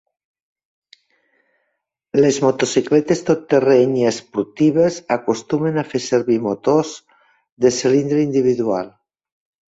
Les motocicletes tot terreny i esportives acostumen a fer servir motors de cilindre individual.